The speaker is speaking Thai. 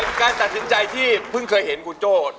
การตัดสินใจที่เพิ่งเคยเห็นคุณโจ้